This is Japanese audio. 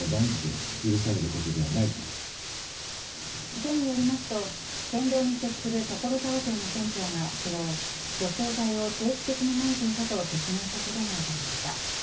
県によりますと県道に接する所沢店の店長が昨日、除草剤を定期的にまいていたと説明したことが分かりました。